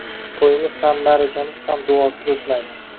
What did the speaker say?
To‘yimiz ham, ma’rakamiz ham duosiz o‘tmaydi.